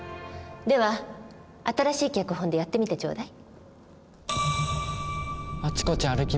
では新しい脚本でやってみてちょうだい。